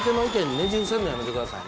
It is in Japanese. ねじ伏せるのやめてくださいね。